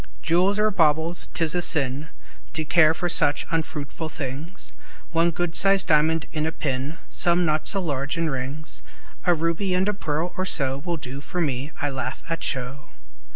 Jewels are baubles; 't is a sin To care for such unfruitful things; One good sized diamond in a pin, Some, not so large, in rings, A ruby, and a pearl, or so, Will do for me; I laugh at show.